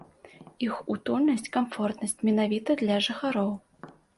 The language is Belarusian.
Іх утульнасць, камфортнасць менавіта для жыхароў.